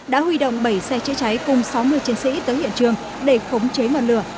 đã huy động bảy xe chữa cháy cùng sáu mươi chiến sĩ tới hiện trường để khống chế ngọn lửa